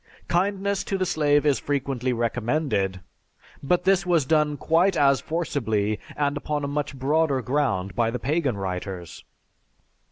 Kindness to the slave is frequently recommended, but this was done quite as forcibly, and upon a much broader ground by the pagan writers.